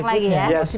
masih banyak lagi ya